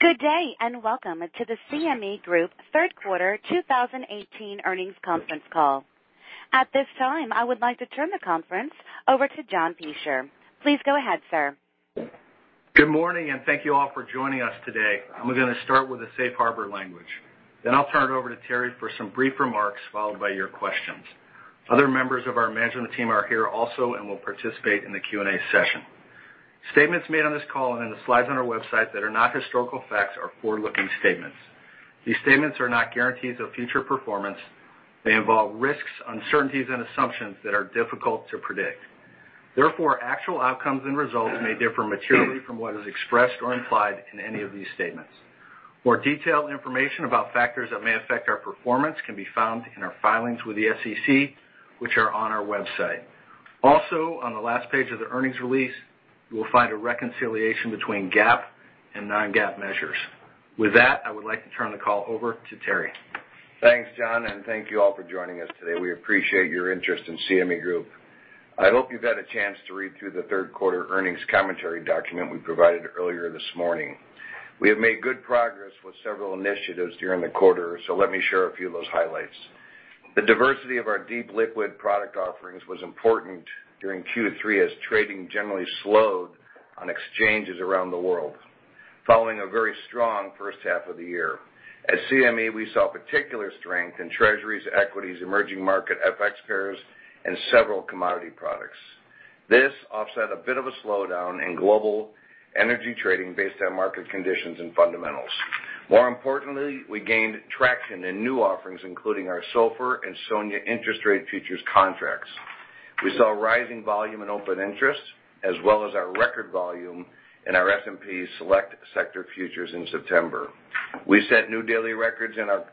Good day, welcome to the CME Group third quarter 2018 earnings conference call. At this time, I would like to turn the conference over to John Peschier. Please go ahead, sir. Good morning, thank you all for joining us today. I'm going to start with the safe harbor language. I'll turn it over to Terry for some brief remarks, followed by your questions. Other members of our management team are here also and will participate in the Q&A session. Statements made on this call and in the slides on our website that are not historical facts are forward-looking statements. These statements are not guarantees of future performance. They involve risks, uncertainties, and assumptions that are difficult to predict. Therefore, actual outcomes and results may differ materially from what is expressed or implied in any of these statements. More detailed information about factors that may affect our performance can be found in our filings with the SEC, which are on our website. On the last page of the earnings release, you will find a reconciliation between GAAP and non-GAAP measures. I would like to turn the call over to Terry. Thanks, John, thank you all for joining us today. We appreciate your interest in CME Group. I hope you've had a chance to read through the third quarter earnings commentary document we provided earlier this morning. We have made good progress with several initiatives during the quarter, let me share a few of those highlights. The diversity of our deep liquid product offerings was important during Q3 as trading generally slowed on exchanges around the world following a very strong first half of the year. At CME, we saw particular strength in treasuries, equities, emerging market FX pairs, and several commodity products. This offset a bit of a slowdown in global energy trading based on market conditions and fundamentals. We gained traction in new offerings, including our SOFR and SONIA interest rate futures contracts. We saw rising volume and open interest as well as our record volume in our S&P Select Sector futures in September. We set new daily records in our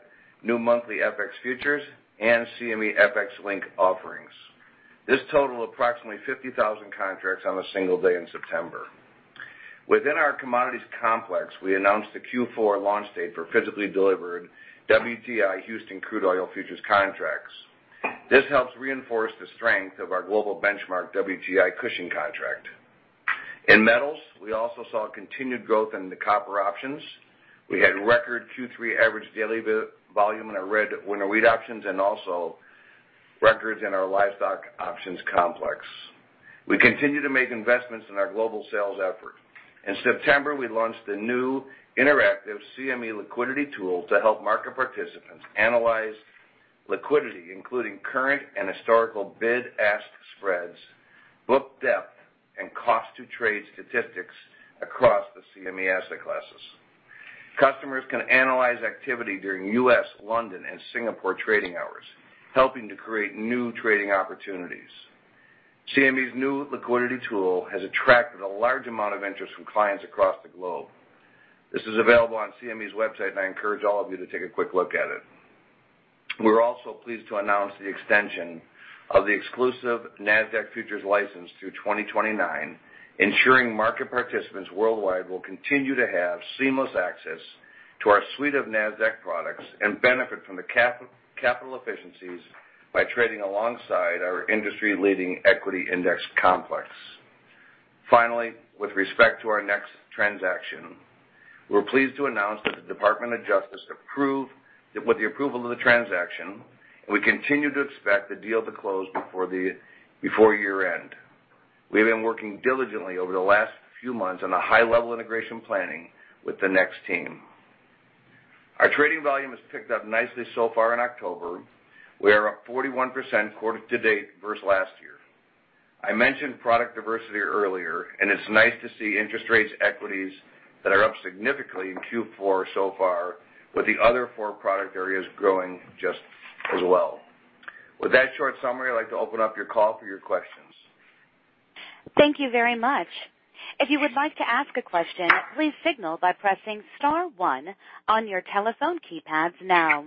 new monthly FX futures and CME FX Link offerings. This totaled approximately 50,000 contracts on a single day in September. Within our commodities complex, we announced the Q4 launch date for physically delivered WTI Houston crude oil futures contracts. This helps reinforce the strength of our global benchmark WTI Cushing contract. In metals, we also saw continued growth in the Copper options. We had record Q3 average daily volume in our Red Winter Wheat options and also records in our Livestock options complex. We continue to make investments in our global sales effort. In September, we launched the new interactive CME liquidity tool to help market participants analyze liquidity, including current and historical bid-ask spreads, book depth, and cost-to-trade statistics across the CME asset classes. Customers can analyze activity during U.S., London, and Singapore trading hours, helping to create new trading opportunities. CME's new liquidity tool has attracted a large amount of interest from clients across the globe. This is available on CME's website, and I encourage all of you to take a quick look at it. We're also pleased to announce the extension of the exclusive Nasdaq futures license through 2029, ensuring market participants worldwide will continue to have seamless access to our suite of Nasdaq products and benefit from the capital efficiencies by trading alongside our industry-leading equity index complex. Finally, with respect to our NEX transaction, we're pleased to announce that the Department of Justice, with the approval of the transaction, we continue to expect the deal to close before year-end. We have been working diligently over the last few months on a high-level integration planning with the NEX team. Our trading volume has picked up nicely so far in October. We are up 41% quarter-to-date versus last year. I mentioned product diversity earlier, and it's nice to see interest rates equities that are up significantly in Q4 so far with the other four product areas growing just as well. With that short summary, I'd like to open up your call for your questions. Thank you very much. If you would like to ask a question, please signal by pressing *1 on your telephone keypads now.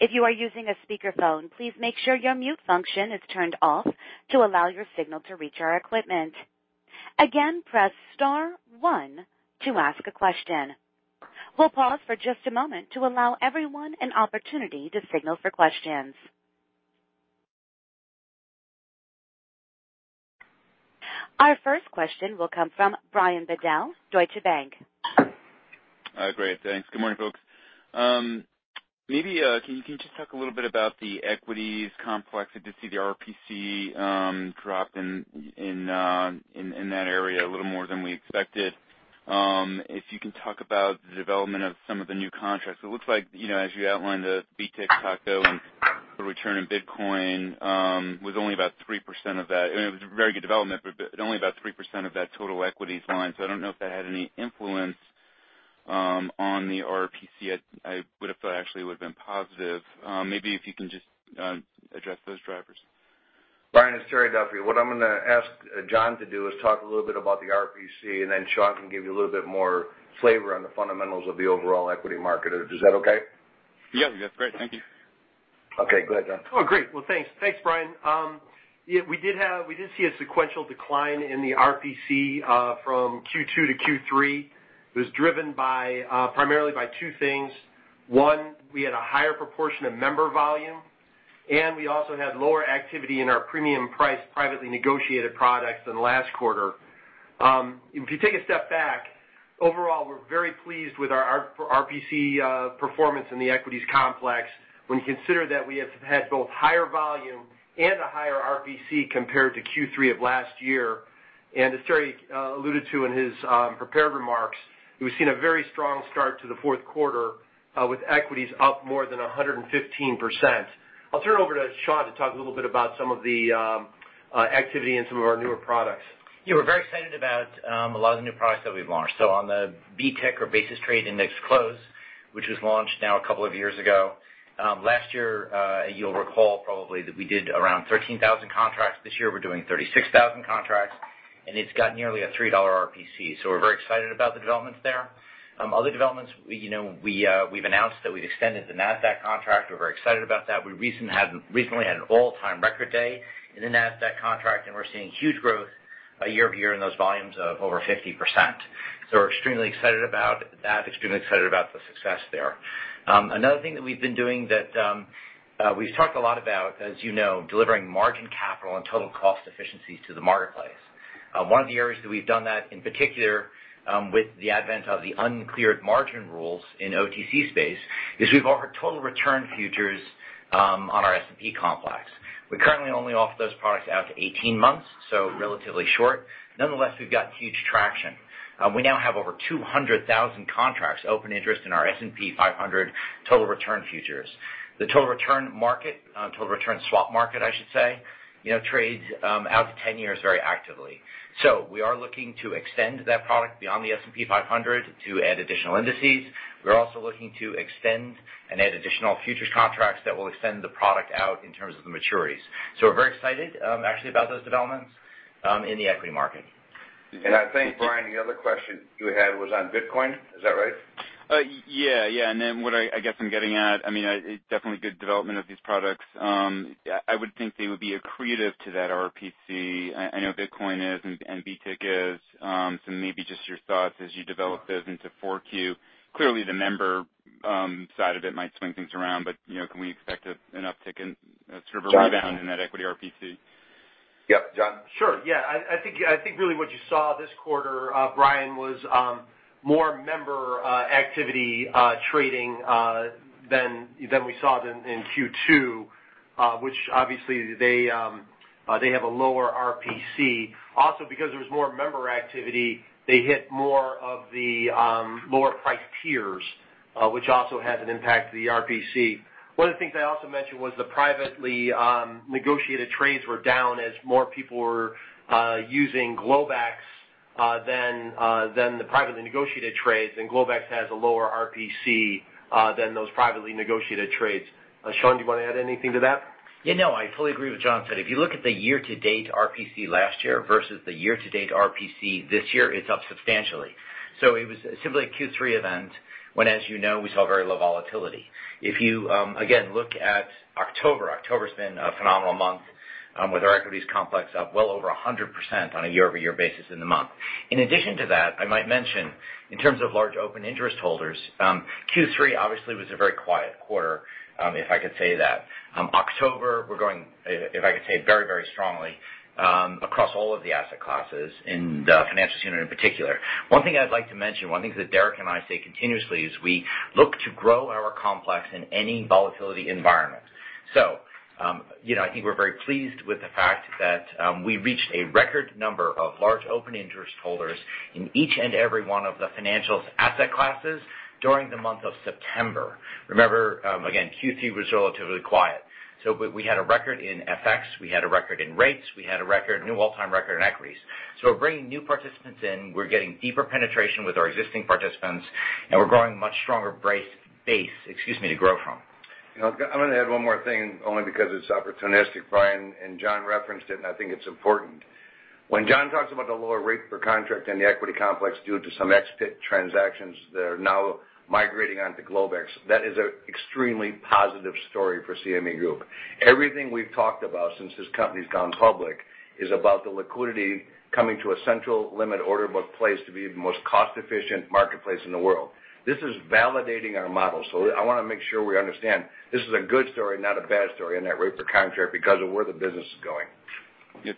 If you are using a speakerphone, please make sure your mute function is turned off to allow your signal to reach our equipment. Again, press *1 to ask a question. We'll pause for just a moment to allow everyone an opportunity to signal for questions. Our first question will come from Brian Bedell, Deutsche Bank. Great. Thanks. Good morning, folks. Can you just talk a little bit about the equities complex? I did see the RPC drop in that area a little more than we expected. If you can talk about the development of some of the new contracts. It looks like as you outlined the BTIC TACO and the return of Bitcoin was only about 3% of that. It was a very good development, but only about 3% of that total equities line. I don't know if that had any influence on the RPC. I would have thought actually it would have been positive. If you can just address those drivers. Brian, it's Terry Duffy. What I'm going to ask John to do is talk a little bit about the RPC, and then Sean can give you a little bit more flavor on the fundamentals of the overall equity market. Is that okay? Yes, that's great. Thank you. Go ahead, John. Oh, great. Well, thanks. Thanks, Brian. We did see a sequential decline in the RPC from Q2 to Q3. It was driven primarily by two things. One, we had a higher proportion of member volume We also had lower activity in our premium priced, privately negotiated products than last quarter. If you take a step back, overall, we're very pleased with our RPC performance in the equities complex when you consider that we have had both higher volume and a higher RPC compared to Q3 of last year. As Terry alluded to in his prepared remarks, we've seen a very strong start to the fourth quarter, with equities up more than 115%. I'll turn it over to Sean to talk a little bit about some of the activity in some of our newer products. Yeah, we're very excited about a lot of the new products that we've launched. On the BTIC or Basis Trade at Index Close, which was launched now a couple of years ago. Last year, you'll recall probably that we did around 13,000 contracts. This year we're doing 36,000 contracts, and it's got nearly a $3 RPC. We're very excited about the developments there. Other developments, we've announced that we've extended the Nasdaq contract. We're very excited about that. We recently had an all-time record day in the Nasdaq contract, and we're seeing huge growth year-over-year in those volumes of over 50%. We're extremely excited about that, extremely excited about the success there. Another thing that we've been doing that we've talked a lot about, as you know, delivering margin capital and total cost efficiencies to the marketplace. One of the areas that we've done that, in particular with the advent of the uncleared margin rules in OTC space, is we've offered Total Return futures on our S&P complex. We currently only offer those products out to 18 months, so relatively short. Nonetheless, we've got huge traction. We now have over 200,000 contracts open interest in our S&P 500 Total Return futures. The total return swap market trades out to 10 years very actively. We are looking to extend that product beyond the S&P 500 to add additional indices. We're also looking to extend and add additional futures contracts that will extend the product out in terms of the maturities. We're very excited actually about those developments in the equity market. I think, Brian, the other question you had was on Bitcoin, is that right? Yeah. What I guess I'm getting at, it's definitely good development of these products. I would think they would be accretive to that RPC. I know Bitcoin is and BTIC is, so maybe just your thoughts as you develop those into 4Q. Clearly, the member side of it might swing things around, but can we expect an uptick in sort of a rebound in that equity RPC? Yep. John? Sure, yeah. I think really what you saw this quarter, Brian, was more member activity trading than we saw in Q2, which obviously they have a lower RPC. Also, because there was more member activity, they hit more of the lower priced tiers, which also has an impact to the RPC. One of the things I also mentioned was the privately negotiated trades were down as more people were using Globex than the privately negotiated trades, and Globex has a lower RPC than those privately negotiated trades. Sean, do you want to add anything to that? I fully agree with what John said. If you look at the year-to-date RPC last year versus the year-to-date RPC this year, it's up substantially. It was simply a Q3 event when, as you know, we saw very low volatility. You, again, look at October's been a phenomenal month with our equities complex up well over 100% on a year-over-year basis in the month. In addition to that, I might mention, in terms of large open interest holders, Q3 obviously was a very quiet quarter, if I could say that. October, we're going, if I could say, very strongly across all of the asset classes in the financials unit in particular. One thing I'd like to mention, one thing that Derek and I say continuously, is we look to grow our complex in any volatility environment. I think we're very pleased with the fact that we reached a record number of large open interest holders in each and every one of the financials asset classes during the month of September. Remember, again, Q3 was relatively quiet. We had a record in FX, we had a record in rates, we had a new all-time record in equities. We're bringing new participants in, we're getting deeper penetration with our existing participants, and we're growing a much stronger base to grow from. I'm going to add one more thing, only because it's opportunistic, Brian, and John referenced it, and I think it's important. When John talks about the lower rate per contract in the equity complex due to some exit transactions that are now migrating onto Globex, that is an extremely positive story for CME Group. Everything we've talked about since this company's gone public is about the liquidity coming to a central limit order book place to be the most cost-efficient marketplace in the world. This is validating our model. I want to make sure we understand this is a good story, not a bad story in that rate per contract because of where the business is going. Yep,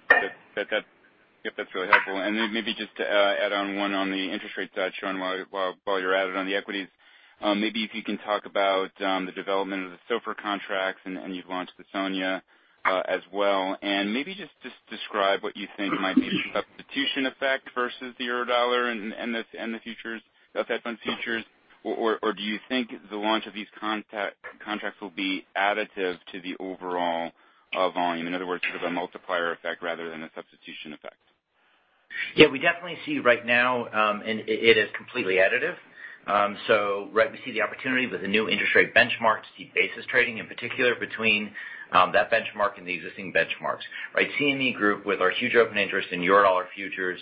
that's really helpful. Then maybe just to add on one on the interest rate side, Sean, while you're at it on the equities, maybe if you can talk about the development of the SOFR contracts and you've launched the SONIA as well, and maybe just describe what you think might be the substitution effect versus the Eurodollar and the Fed Funds futures, or do you think the launch of these contracts will be additive to the overall volume? In other words, sort of a multiplier effect rather than a substitution effect. We definitely see right now it is completely additive. We see the opportunity with the new interest rate benchmark to see basis trading, in particular between that benchmark and the existing benchmarks. CME Group with our huge open interest in Eurodollar futures,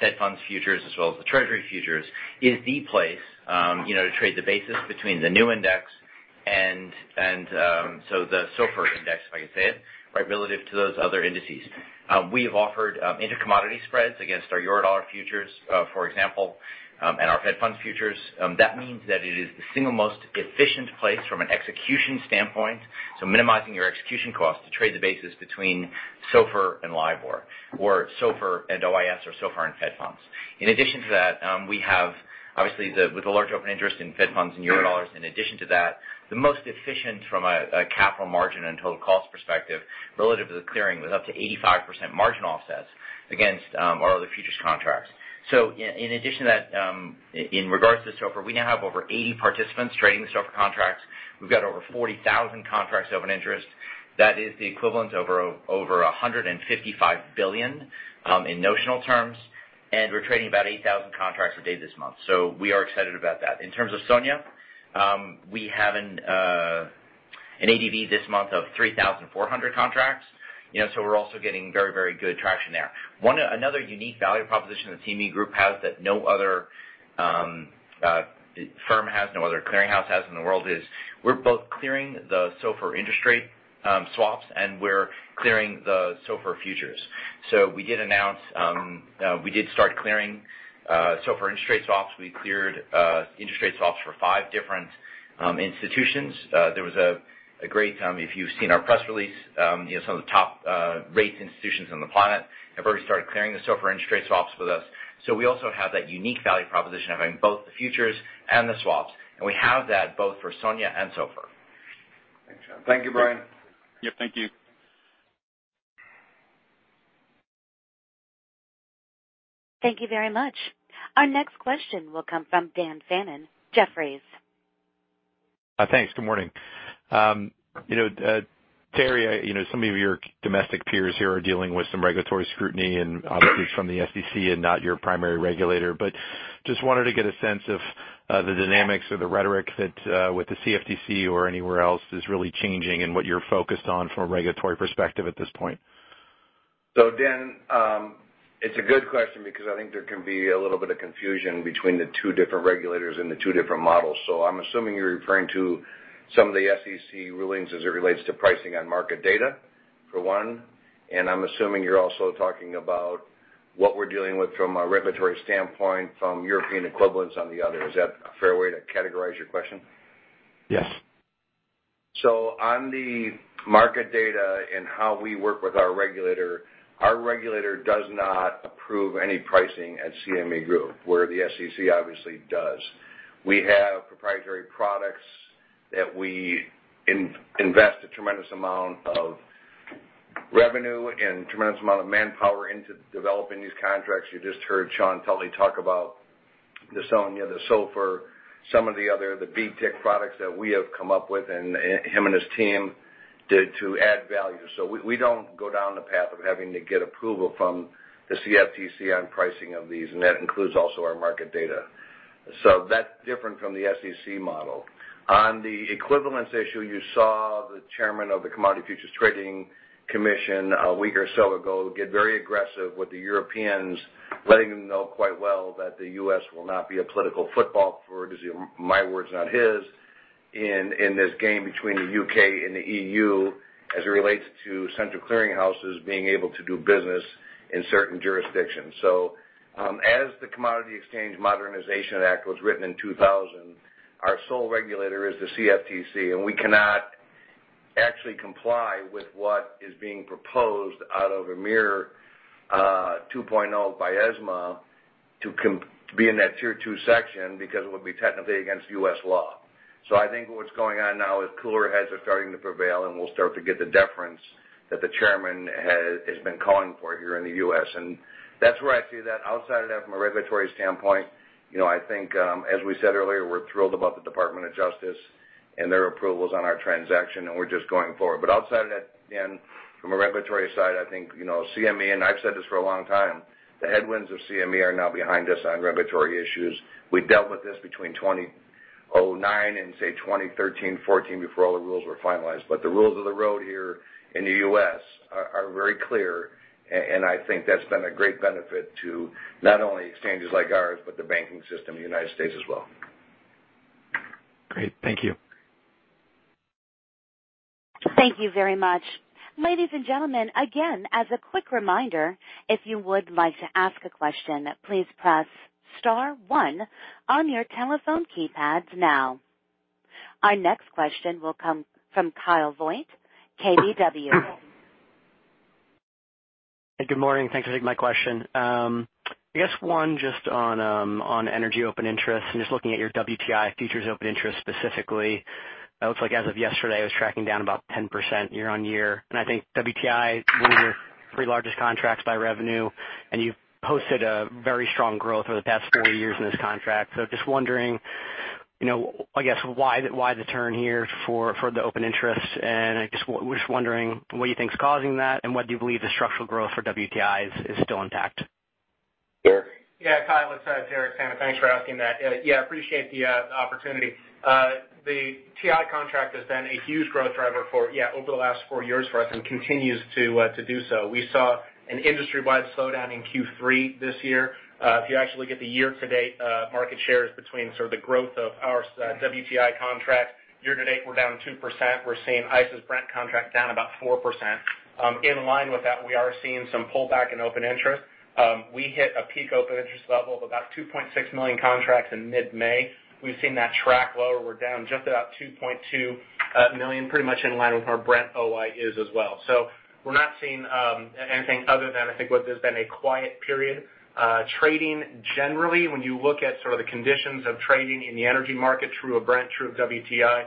Fed Funds futures, as well as the Treasury futures, is the place to trade the basis between the new index and SOFR relative to those other indices. We have offered inter-commodity spreads against our Eurodollar futures, for example, and our Fed Funds futures. It is the single most efficient place from an execution standpoint, minimizing your execution costs to trade the basis between SOFR and LIBOR, or SOFR and OIS, or SOFR and Fed Funds. In addition to that, we have obviously with a large open interest in Fed Funds and Eurodollars, in addition to that, the most efficient from a capital margin and total cost perspective relative to the clearing with up to 85% margin offsets against our other futures contracts. In addition to that, in regards to SOFR, we now have over 80 participants trading the SOFR contracts. We've got over 40,000 contracts of open interest. That is the equivalent of over 155 billion in notional terms, and we're trading about 8,000 contracts per day this month. We are excited about that. In terms of SONIA, we have an ADV this month of 3,400 contracts, we're also getting very good traction there. Another unique value proposition that CME Group has that no other firm has, no other clearinghouse has in the world, is we're both clearing the SOFR swaps, and we're clearing the SOFR futures. We did start clearing SOFR swaps. We cleared swaps for five different institutions. If you've seen our press release, some of the top-rated institutions on the planet have already started clearing the SOFR swaps with us. We also have that unique value proposition of having both the futures and the swaps, and we have that both for SONIA and SOFR. Thanks, Sean. Thank you, Brian. Yep, thank you. Thank you very much. Our next question will come from Daniel Fannon, Jefferies. Thanks. Good morning. Terry, some of your domestic peers here are dealing with some regulatory scrutiny and obviously it's from the SEC and not your primary regulator, but just wanted to get a sense of the dynamics or the rhetoric that with the CFTC or anywhere else is really changing and what you're focused on from a regulatory perspective at this point. Dan, it's a good question because I think there can be a little bit of confusion between the two different regulators and the two different models. I'm assuming you're referring to some of the SEC rulings as it relates to pricing on market data for one, and I'm assuming you're also talking about what we're dealing with from a regulatory standpoint from European equivalents on the other. Is that a fair way to categorize your question? Yes. On the market data and how we work with our regulator, our regulator does not approve any pricing at CME Group, where the SEC obviously does. We have proprietary products that we invest a tremendous amount of revenue and tremendous amount of manpower into developing these contracts. You just heard Sean Tully talk about the SONIA, the SOFR, some of the other, the BTIC products that we have come up with and him and his team did to add value. We don't go down the path of having to get approval from the CFTC on pricing of these, and that includes also our market data. That's different from the SEC model. On the equivalence issue, you saw the chairman of the Commodity Futures Trading Commission a week or so ago, get very aggressive with the Europeans, letting them know quite well that the U.S. will not be a political football for, my words, not his, in this game between the U.K. and the EU as it relates to central clearinghouses being able to do business in certain jurisdictions. As the Commodity Exchange Modernization Act was written in 2000, our sole regulator is the CFTC, and we cannot actually comply with what is being proposed out of EMIR 2.0 by ESMA to be in that tier 2 section because it would be technically against U.S. law. I think what's going on now is cooler heads are starting to prevail, and we'll start to get the deference that the chairman has been calling for here in the U.S. That's where I see that. Outside of that, from a regulatory standpoint, I think, as we said earlier, we're thrilled about the Department of Justice and their approvals on our transaction, and we're just going forward. Outside of that, Dan, from a regulatory side, I think CME, and I've said this for a long time, the headwinds of CME are now behind us on regulatory issues. We dealt with this between 2009 and say 2013, 2014, before all the rules were finalized. The rules of the road here in the U.S. are very clear, and I think that's been a great benefit to not only exchanges like ours, but the banking system in the United States as well. Great. Thank you. Thank you very much. Ladies and gentlemen, again, as a quick reminder, if you would like to ask a question, please press star one on your telephone keypads now. Our next question will come from Kyle Voigt, KBW. Good morning. Thanks for taking my question. I guess one just on energy open interest and just looking at your WTI futures open interest specifically. It looks like as of yesterday, it was tracking down about 10% year-on-year. I think WTI, one of your three largest contracts by revenue, and you've posted a very strong growth over the past four years in this contract. Just wondering, I guess why the turn here for the open interest, and I was just wondering what you think is causing that and whether you believe the structural growth for WTI is still intact? Sure. Kyle, it's Derek Sammann. Thanks for asking that. Appreciate the opportunity. The WTI contract has been a huge growth driver for, over the last four years for us and continues to do so. We saw an industry-wide slowdown in Q3 this year. If you actually get the year-to-date market shares between sort of the growth of our WTI contract year-to-date, we're down 2%. We're seeing ICE's Brent contract down about 4%. In line with that, we are seeing some pullback in open interest. We hit a peak open interest level of about 2.6 million contracts in mid-May. We've seen that track lower. We're down just about 2.2 million, pretty much in line with where Brent OI is as well. We're not seeing anything other than, I think what has been a quiet period. Trading generally, when you look at sort of the conditions of trading in the energy market through a Brent, through a WTI,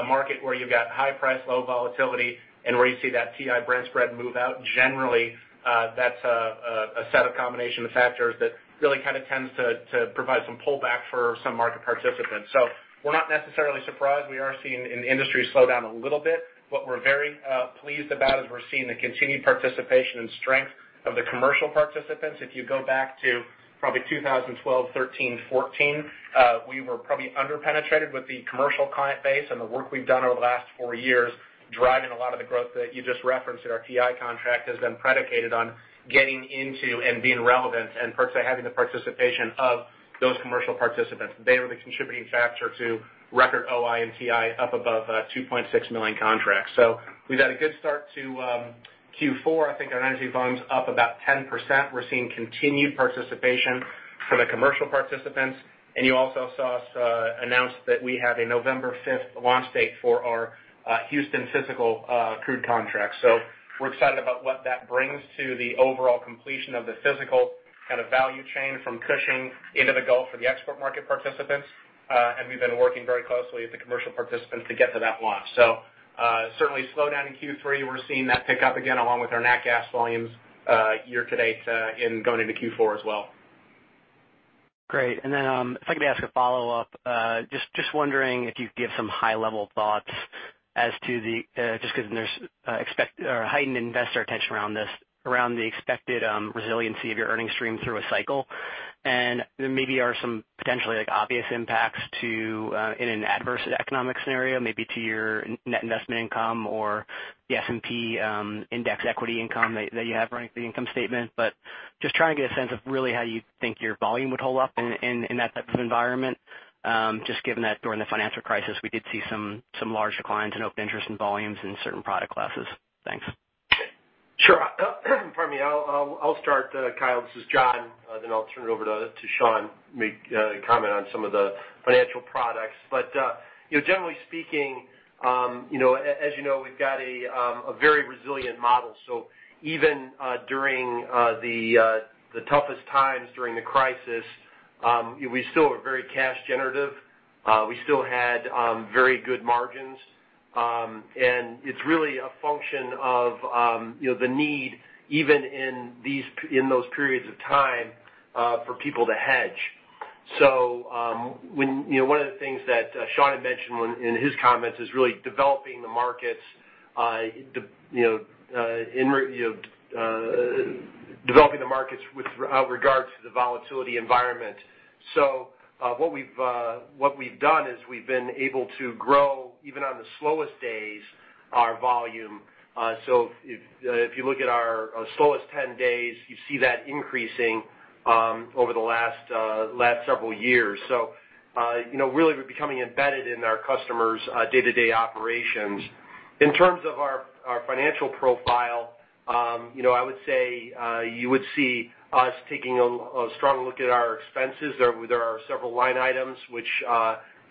a market where you've got high price, low volatility, and where you see that WTI Brent spread move out, generally that's a set of combination of factors that really kind of tends to provide some pullback for some market participants. We're not necessarily surprised. We are seeing an industry slowdown a little bit. What we're very pleased about is we're seeing the continued participation and strength of the commercial participants. If you go back to probably 2012, 2013, 2014, we were probably under-penetrated with the commercial client base and the work we've done over the last four years, driving a lot of the growth that you just referenced at our WTI contract, has been predicated on getting into and being relevant, and perhaps having the participation of those commercial participants. They are the contributing factor to record OI and WTI up above 2.6 million contracts. We've had a good start to Q4. I think our energy volume's up about 10%. We're seeing continued participation from the commercial participants. You also saw us announce that we have a November 5th launch date for our Houston physical crude contract. We're excited about what that brings to the overall completion of the physical kind of value chain from Cushing into the Gulf for the export market participants. We've been working very closely with the commercial participants to get to that launch. Certainly slowdown in Q3. We're seeing that pick up again along with our nat gas volumes year-to-date, and going into Q4 as well. Great. If I could ask a follow-up. Just wondering if you could give some high-level thoughts as to the, just because there's heightened investor attention around this, around the expected resiliency of your earnings stream through a cycle, and there maybe are some potentially obvious impacts in an adverse economic scenario, maybe to your net investment income or the S&P index equity income that you have running through the income statement. Just trying to get a sense of really how you think your volume would hold up in that type of environment, just given that during the financial crisis, we did see some large declines in open interest and volumes in certain product classes. Thanks. Sure. Pardon me. I'll start, Kyle. This is John. Then I'll turn it over to Sean to comment on some of the financial products. Generally speaking, as you know, we've got a very resilient model. Even during the toughest times during the crisis, we still are very cash generative. We still had very good margins. It's really a function of the need, even in those periods of time, for people to hedge. One of the things that Sean had mentioned in his comments is really developing the markets with regards to the volatility environment. What we've done is we've been able to grow, even on the slowest days, our volume. If you look at our slowest 10 days, you see that increasing over the last several years. Really, we're becoming embedded in our customers' day-to-day operations. In terms of our financial profile, I would say, you would see us taking a strong look at our expenses. There are several line items which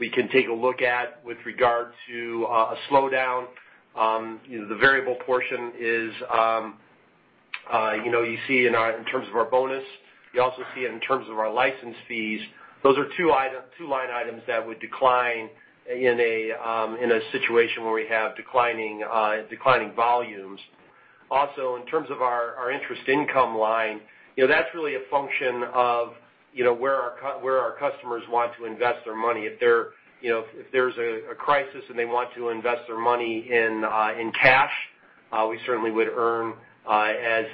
we can take a look at with regard to a slowdown. The variable portion is, you see in terms of our bonus, you also see it in terms of our license fees. Those are two line items that would decline in a situation where we have declining volumes. Also, in terms of our interest income line, that's really a function of where our customers want to invest their money. If there's a crisis and they want to invest their money in cash, we certainly would earn as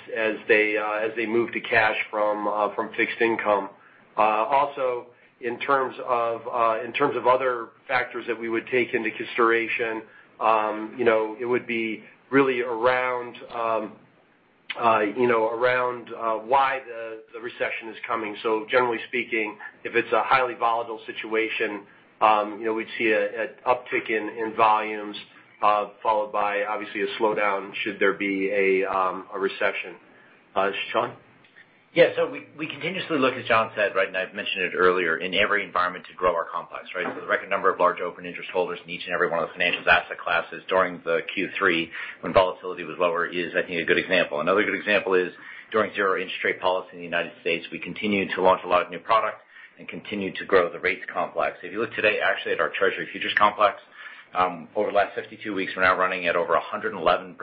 they move to cash from fixed income. Also, in terms of other factors that we would take into consideration, it would be really around why the recession is coming. Generally speaking, if it's a highly volatile situation, we'd see an uptick in volumes, followed by obviously a slowdown should there be a recession. Sean? We continuously look, as John said, right, and I've mentioned it earlier, in every environment to grow our complex, right? The record number of large open interest holders in each and every one of the financials asset classes during the Q3 when volatility was lower is, I think, a good example. Another good example is during zero interest rate policy in the U.S., we continued to launch a lot of new product and continued to grow the rates complex. If you look today actually at our Treasury Futures complex, over the last 52 weeks, we're now running at over 111%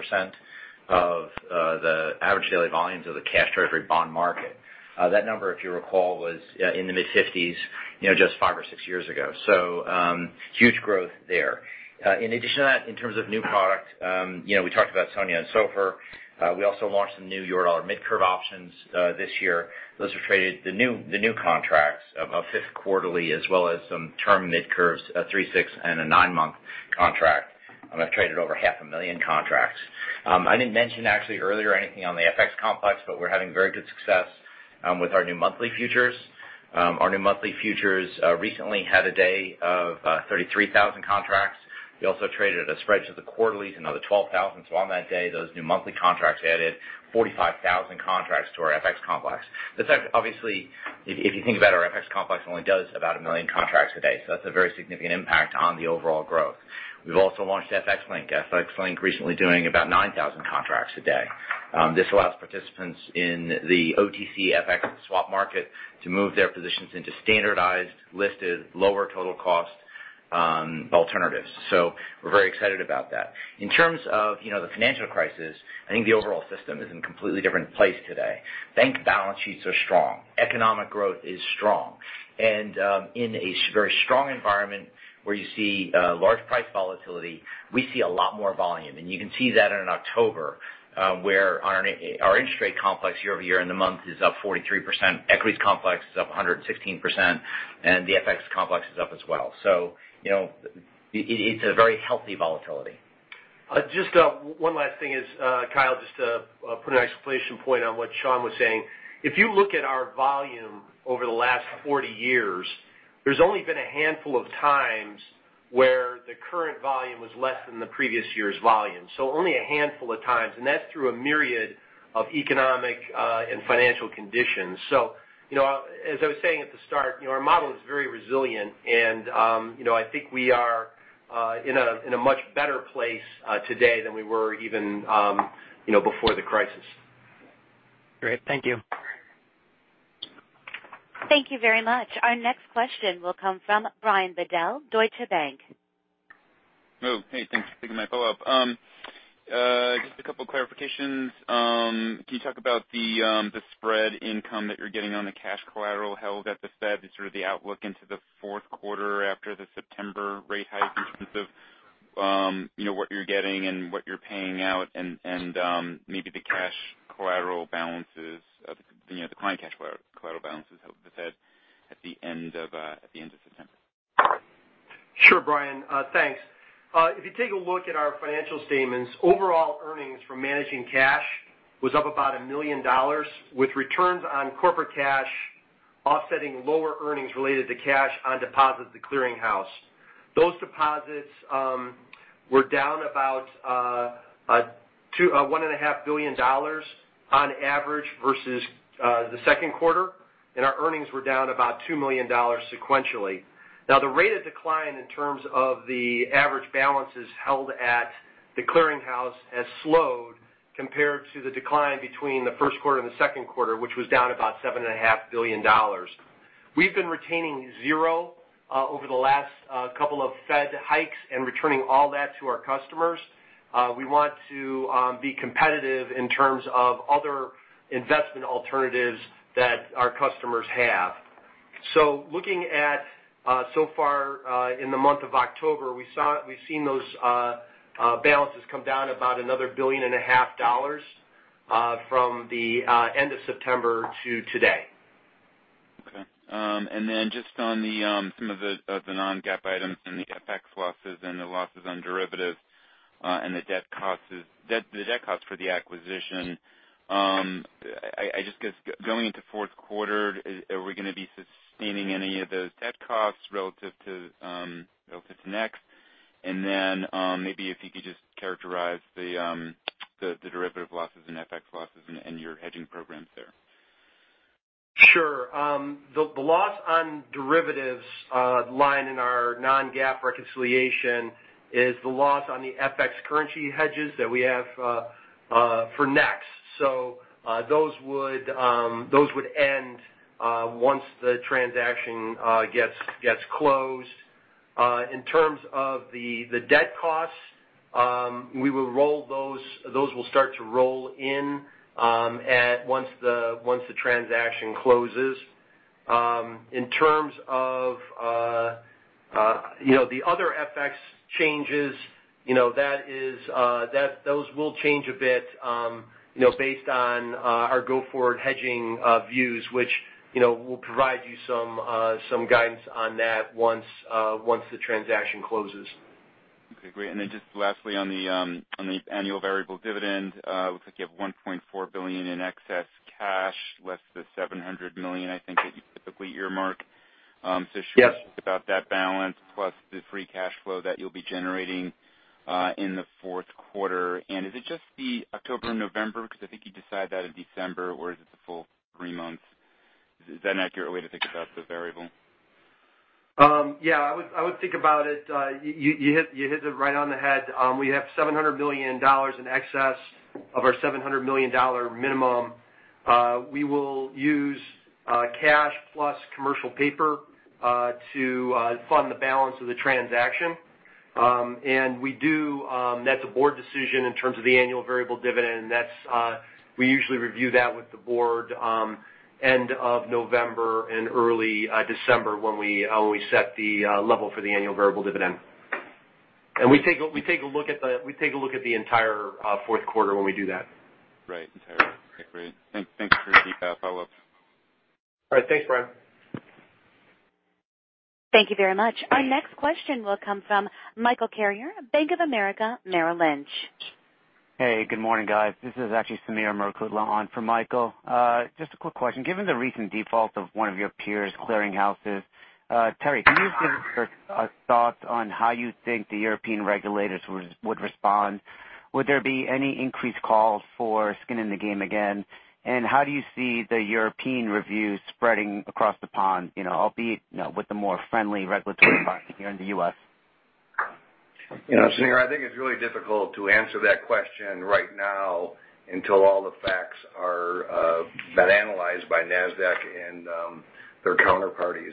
of the average daily volumes of the cash Treasury bond market. That number, if you recall, was in the mid-50s just five or six years ago. Huge growth there. In addition to that, in terms of new product, we talked about SONIA and SOFR. We also launched some new Eurodollar Mid-Curve options this year. Those are traded, the new contracts of a fifth quarterly as well as some term Mid-Curves, a three, six, and a nine-month contract have traded over half a million contracts. I didn't mention actually earlier anything on the FX complex, but we're having very good success with our new monthly futures. Our new monthly futures recently had a day of 33,000 contracts. We also traded a spread to the quarterlies, another 12,000. On that day, those new monthly contracts added 45,000 contracts to our FX complex. Obviously, if you think about our FX complex only does about a million contracts a day. That's a very significant impact on the overall growth. We've also launched FX Link, FX Link recently doing about 9,000 contracts a day. This allows participants in the OTC FX swap market to move their positions into standardized, listed, lower total cost alternatives. We're very excited about that. In terms of the financial crisis, I think the overall system is in a completely different place today. Bank balance sheets are strong, economic growth is strong, in a very strong environment where you see large price volatility, we see a lot more volume. You can see that in October, where our interest rate complex year-over-year in the month is up 43%, equities complex is up 116%, and the FX complex is up as well. It's a very healthy volatility. Just one last thing is, Kyle, just to put an exclamation point on what Sean was saying. If you look at our volume over the last 40 years, there's only been a handful of times where the current volume was less than the previous year's volume. Only a handful of times, and that's through a myriad of economic and financial conditions. As I was saying at the start, our model is very resilient and I think we are in a much better place today than we were even before the crisis. Great. Thank you. Thank you very much. Our next question will come from Brian Bedell, Deutsche Bank. Thanks for taking my follow-up. Just a couple clarifications. Can you talk about the spread income that you're getting on the cash collateral held at the Fed and sort of the outlook into the fourth quarter after the September rate hike in terms of what you're getting and what you're paying out and maybe the client cash collateral balances held at the Fed at the end of September? Sure, Brian. Thanks. If you take a look at our financial statements, overall earnings from managing cash was up about $1 million, with returns on corporate cash offsetting lower earnings related to cash on deposit at the clearinghouse. Those deposits were down about $1.5 billion on average versus the second quarter, and our earnings were down about $2 million sequentially. The rate of decline in terms of the average balances held at the clearinghouse has slowed compared to the decline between the first quarter and the second quarter, which was down about $7.5 billion. We've been retaining zero over the last couple of Fed hikes and returning all that to our customers. We want to be competitive in terms of other investment alternatives that our customers have. Looking at so far in the month of October, we've seen those balances come down about another $1.5 billion from the end of September to today. Okay. Just on some of the non-GAAP items and the FX losses and the losses on derivatives and the debt cost for the acquisition, I just guess going into fourth quarter, are we going to be sustaining any of those debt costs relative to NEX? And then maybe if you could just characterize the derivative losses and FX losses and your hedging programs there. Sure. The loss on derivatives line in our non-GAAP reconciliation is the loss on the FX currency hedges that we have for NEX. Those would end once the transaction gets closed. In terms of the debt costs, those will start to roll in once the transaction closes. In terms of the other FX changes, those will change a bit based on our go-forward hedging views, which we'll provide you some guidance on that once the transaction closes. Okay, great. Lastly on the annual variable dividend, looks like you have $1.4 billion in excess cash less the $700 million I think that you typically earmark. Yes Just about that balance plus the free cash flow that you'll be generating in the fourth quarter. Is it just the October and November? Because I think you decide that in December, or is it the full three months? Is that an accurate way to think about the variable? You hit it right on the head. We have $700 million in excess of our $700 million minimum. We will use cash plus commercial paper to fund the balance of the transaction. That's a board decision in terms of the annual variable dividend, and we usually review that with the board end of November and early December when we set the level for the annual variable dividend. We take a look at the entire fourth quarter when we do that. Right. Entire. Right. Great. Thanks for the deep dive follow-up. All right. Thanks, Brian. Thank you very much. Our next question will come from Michael Carrier, Bank of America, Merrill Lynch. Hey, good morning, guys. This is actually Sameer Murukutla on for Michael. Just a quick question. Given the recent default of one of your peers' clearinghouses, Terry, can you give a thought on how you think the European regulators would respond? Would there be any increased calls for skin in the game again? How do you see the European review spreading across the pond, albeit with the more friendly regulatory environment here in the U.S.? Sameer, I think it's really difficult to answer that question right now until all the facts have been analyzed by Nasdaq and their counterparties.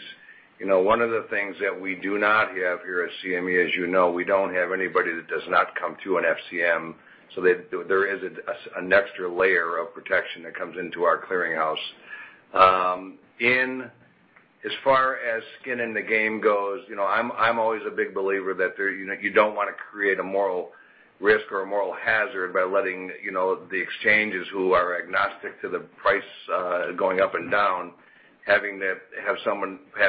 One of the things that we do not have here at CME, as you know, we don't have anybody that does not come to an FCM, so there is an extra layer of protection that comes into our clearinghouse. As far as skin in the game goes, I'm always a big believer that you don't want to create a moral risk or a moral hazard by letting the exchanges who are agnostic to the price going up and down, have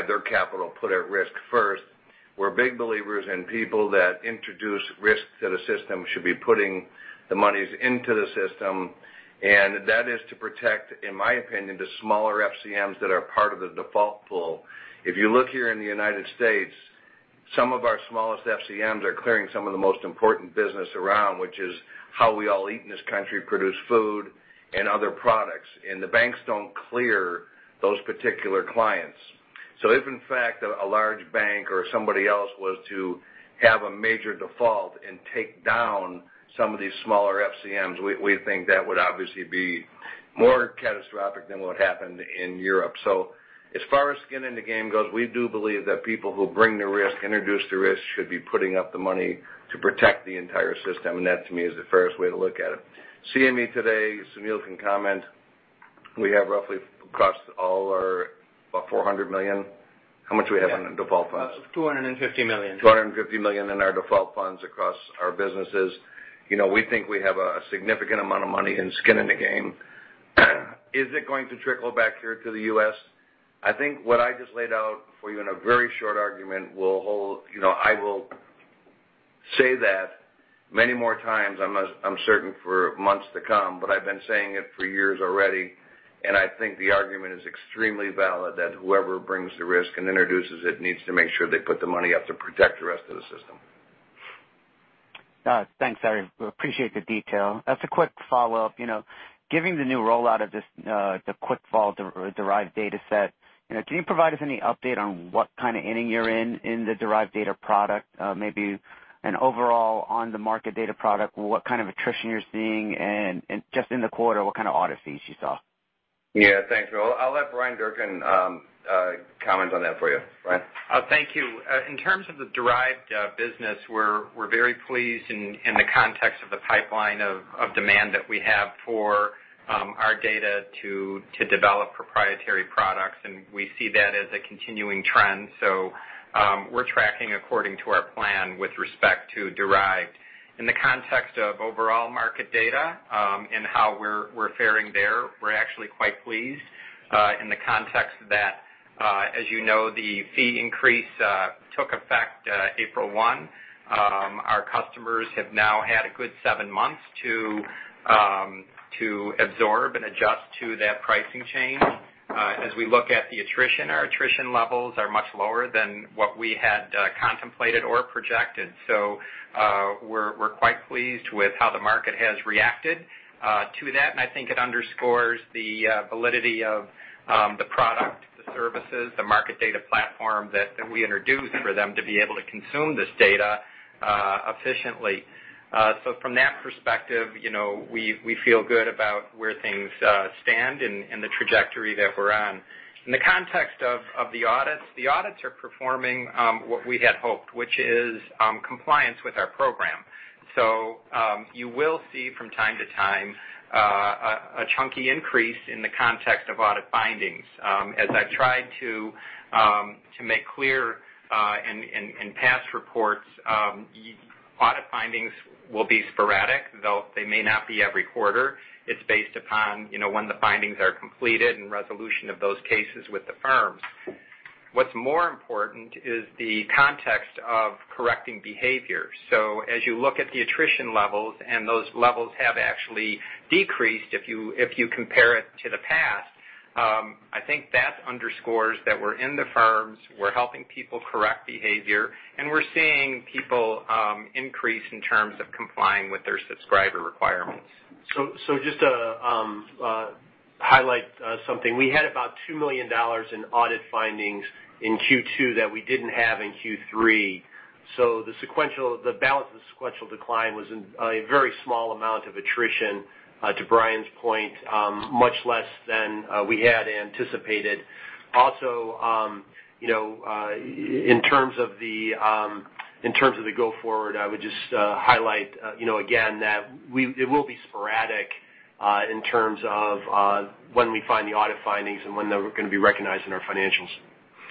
their capital put at risk first. We're big believers in people that introduce risk to the system should be putting the monies into the system, and that is to protect, in my opinion, the smaller FCMs that are part of the default pool. If you look here in the U.S., some of our smallest FCMs are clearing some of the most important business around, which is how we all eat in this country, produce food and other products. The banks don't clear those particular clients. If in fact, a large bank or somebody else was to have a major default and take down some of these smaller FCMs, we think that would obviously be more catastrophic than what happened in Europe. As far as skin in the game goes, we do believe that people who bring the risk, introduce the risk, should be putting up the money to protect the entire system. That, to me, is the fairest way to look at it. CME today, Sunil can comment, we have roughly about $400 million. How much we have in default funds? $250 million. $250 million in our default funds across our businesses. We think we have a significant amount of money in skin in the game. Is it going to trickle back here to the U.S.? I think what I just laid out for you in a very short argument will hold. I will say that many more times, I'm certain, for months to come, I've been saying it for years already, and I think the argument is extremely valid that whoever brings the risk and introduces it needs to make sure they put the money up to protect the rest of the system. Thanks, Terry. Appreciate the detail. As a quick follow-up, given the new rollout of the QuickVault derived data set, can you provide us any update on what kind of inning you're in the derived data product? Maybe an overall on-the-market data product, what kind of attrition you're seeing and just in the quarter, what kind of audit fees you saw? Yeah. Thanks. I'll let Bryan Durkin comment on that for you. Bryan? Thank you. In terms of the derived business, we're very pleased in the context of the pipeline of demand that we have for our data to develop proprietary products, and we see that as a continuing trend. We're tracking according to our plan with respect to derived. In the context of overall market data and how we're faring there, we're actually quite pleased in the context that, as you know, the fee increase took effect April 1. Our customers have now had a good seven months to absorb and adjust to that pricing change. As we look at the attrition, our attrition levels are much lower than what we had contemplated or projected. We're quite pleased with how the market has reacted to that, and I think it underscores the validity of the product, the services, the market data platform that we introduced for them to be able to consume this data efficiently. From that perspective, we feel good about where things stand and the trajectory that we're on. In the context of the audits, the audits are performing what we had hoped, which is compliance with our program. You will see from time to time a chunky increase in the context of audit findings. As I tried to make clear in past reports, audit findings will be sporadic, though they may not be every quarter. It's based upon when the findings are completed and resolution of those cases with the firms. What's more important is the context of correcting behavior. As you look at the attrition levels, those levels have actually decreased if you compare it to the past. I think that underscores that we're in the firms, we're helping people correct behavior, and we're seeing people increase in terms of complying with their subscriber requirements. Just to highlight something, we had about $2 million in audit findings in Q2 that we didn't have in Q3. The balance of the sequential decline was a very small amount of attrition, to Bryan's point, much less than we had anticipated. Also, in terms of the go forward, I would just highlight again that it will be sporadic. In terms of when we find the audit findings and when they're going to be recognized in our financials.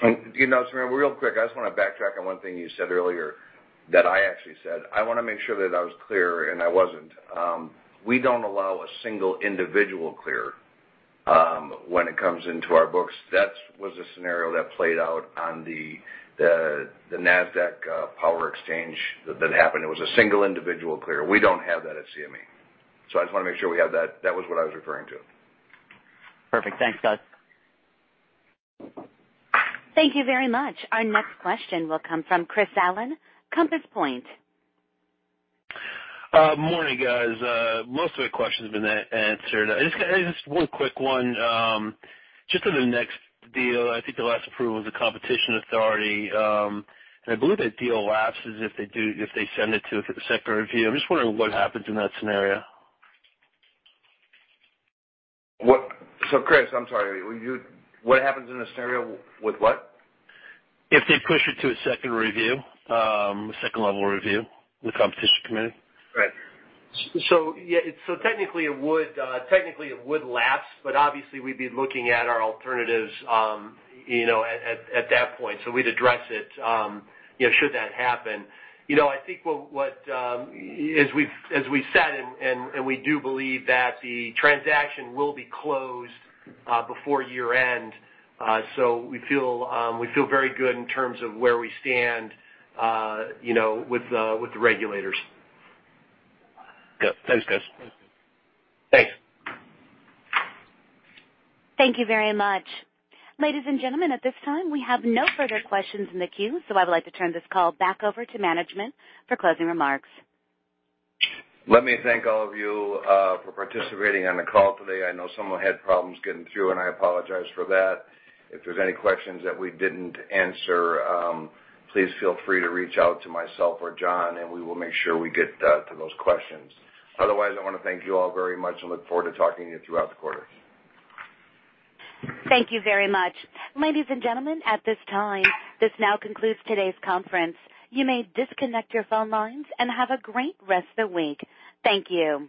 Real quick, I just want to backtrack on one thing you said earlier that I actually said. I want to make sure that I was clear, and I wasn't. We don't allow a single individual clear when it comes into our books. That was a scenario that played out on the Nasdaq power exchange that happened. It was a single individual clear. We don't have that at CME. I just want to make sure we have that. That was what I was referring to. Perfect. Thanks, Guys. Thank you very much. Our next question will come from Christopher Allen, Compass Point. Morning, guys. Most of my questions have been answered. Just one quick one. Just on the NEX deal, I think the last approval was a competition authority. I believe that deal lapses if they send it to second review. I am just wondering what happens in that scenario. Chris, I am sorry. What happens in a scenario with what? If they push it to a second review, second level review with the competition committee. Right. Technically it would lapse, obviously we'd be looking at our alternatives at that point. We'd address it should that happen. I think as we've said, we do believe that the transaction will be closed before year-end, we feel very good in terms of where we stand with the regulators. Good. Thanks, guys. Thanks. Thank you very much. Ladies and gentlemen, at this time, we have no further questions in the queue, I would like to turn this call back over to management for closing remarks. Let me thank all of you for participating on the call today. I know some of you had problems getting through, and I apologize for that. If there's any questions that we didn't answer, please feel free to reach out to myself or John, and we will make sure we get to those questions. Otherwise, I want to thank you all very much and look forward to talking to you throughout the quarter. Thank you very much. Ladies and gentlemen, at this time, this now concludes today's conference. You may disconnect your phone lines and have a great rest of the week. Thank you.